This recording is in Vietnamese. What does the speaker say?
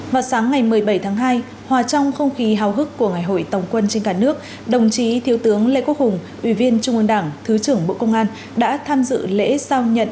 vào sáng ngày một mươi bảy tháng hai hòa trong không khí hào hức của ngày hội tổng quân trên cả nước đồng chí thiếu tướng lê quốc hùng ủy viên trung ương đảng thứ trưởng bộ công an đã tham dự lễ sao nhận